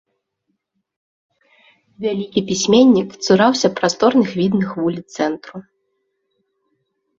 Вялікі пісьменнік цураўся прасторных відных вуліц цэнтру.